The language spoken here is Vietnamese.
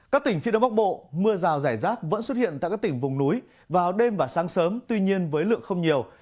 các tỉnh phía đông bắc bộ mưa rào rải rác vẫn xuất hiện tại các tỉnh vùng núi vào đêm và sáng sớm tuy nhiên với lượng không nhiều